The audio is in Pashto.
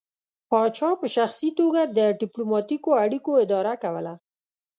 پاچا په شخصي توګه د ډیپلوماتیکو اړیکو اداره کوله